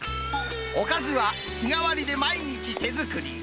おかずは日替わりで毎日手作り。